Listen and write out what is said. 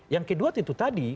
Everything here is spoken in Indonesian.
yang kedua itu tadi